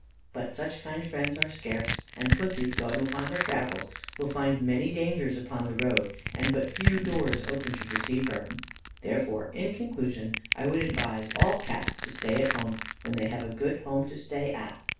But such kind friends are scarce, and Pussy, going upon her travels, will find many dangers upon the road, and but few doors opened to receive her. Therefore, in conclusion, I would advise all Cats to stay at home when they have a good home to stay at.